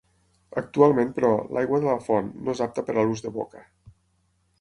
Actualment, però, l'aigua de la font no és apta per a l'ús de boca.